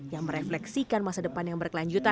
yang merefleksikan masa depan yang berkelanjutan